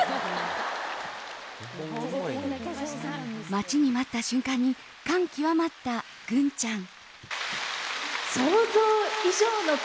待ちに待った瞬間に感極まったグンちゃん。